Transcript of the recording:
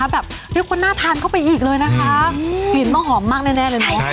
แบบเรียกว่าน่าทานเข้าไปอีกเลยนะฮะ